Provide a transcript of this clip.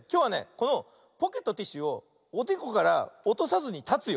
このポケットティッシュをおでこからおとさずにたつよ。